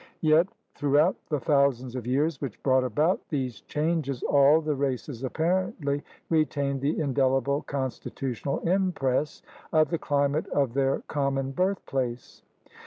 Yet through out the thousands of years which brought about these changes, all the races apparently retained the indelible constitutional impress of the climate of their common birthplace.